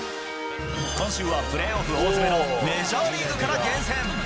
今週はプレーオフ大詰めの、メジャーリーグから厳選。